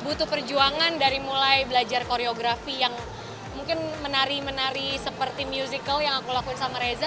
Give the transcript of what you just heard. butuh perjuangan dari mulai belajar koreografi yang mungkin menari menari seperti musical yang aku lakuin sama reza